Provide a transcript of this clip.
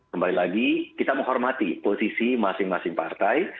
kembali lagi kita menghormati posisi masing masing partai